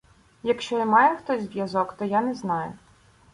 — Якщо і має хто зв'язок, то я не знаю.